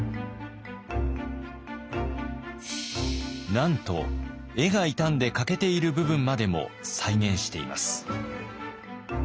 なんと絵が傷んで欠けている部分までも再現しています。